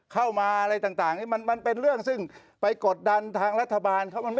กับไม่ใช่อย่างงั้นบอกโอ้โหเร่งรักเราแมมีกระทั่ง